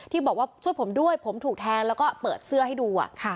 บอกว่าช่วยผมด้วยผมถูกแทงแล้วก็เปิดเสื้อให้ดู